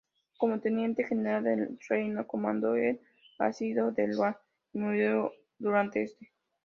Como Teniente General del Reino, comandó el asedio de Ruan y murió durante este.